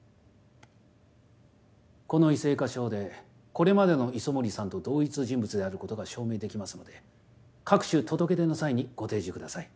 この異性化証でこれまでの磯森さんと同一人物であることが証明できますので各種届け出の際にご提示ください。